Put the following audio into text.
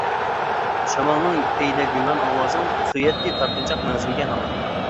شامالنىڭ پېيىدەك يۇمران ئاۋازىڭ، سۆيەتتى تارتىنچاق مەڭزىمگە ھامان.